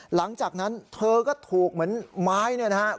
หลังจากนั้นเธอก็ถูกเหมือนไม้เนี่ยนะครับ